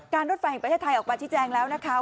การรถไฟของประเทศไทยออกมาที่แจ้งแล้วนะคะ